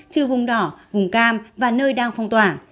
chứ vùng đỏ vùng cam và nơi đang phong tỏa